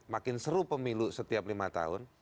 makin seru pemilu setiap lima tahun